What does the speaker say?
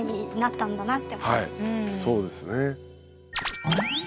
はいそうですね。